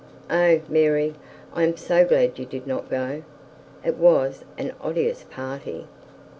'Oh, Mary, I am so glad you did not go. It was an odious party.'